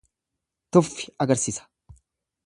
Tuffi agarsisa.